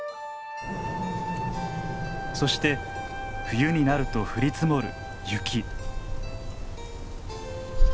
そして冬になると降り積もる雪。